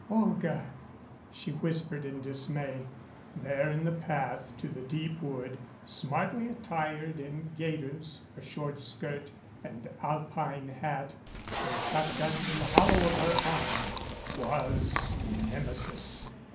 "Olga!" she whispered in dismay. There in the path to the deep wood, smartly attired in gaiters, a short skirt and Alpine hat, her shotgun in the hollow of her arm, was Nemesis.